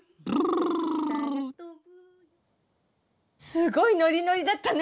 すごいノリノリだったね！